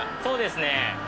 そうですね